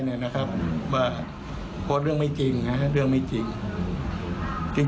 ว่าโพสต์เรื่องไม่จริงเรื่องไม่จริง